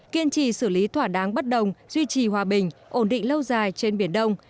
kiên trì xử lý thỏa đáng bất đồng duy trì hòa bình ổn định lâu dài trên biển đông